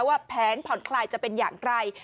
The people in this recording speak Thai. ว่าแผนผ่อนคลายจะเป็นอย่างไร